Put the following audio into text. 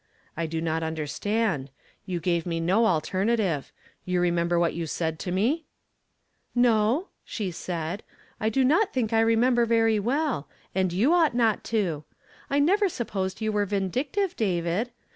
" I do not understand ; you gave me n dterna tive. You remember what you said to n '''' '•No," she said. "I do not thiiik I reinend* r very well ; and } ou ought not to. I never sui) posed you were vhidictive, David.